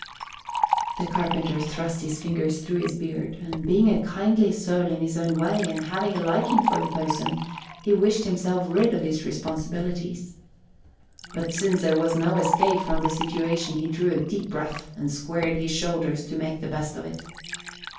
The carpenter thrust his fingers through his beard, and, being a kindly soul in his own way and having a liking for the boatswain, he wished himself rid of his responsibilities. But since there was no escape from the situation he drew a deep breath and squared his shoulders to make the best of it.